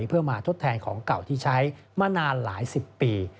เพื่อมาทดแทนของเก่าที่ใช้มานานหลายสิบปี